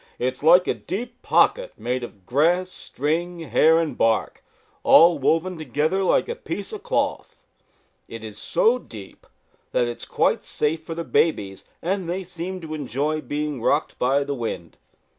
"It is like a deep pocket made of grass, string, hair and bark, all woven together like a piece of cloth. It is so deep that it is quite safe for the babies, and they seem to enjoy being rocked by the wind.